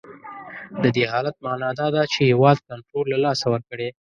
د دې حالت معنا دا ده چې هیواد کنټرول له لاسه ورکړی.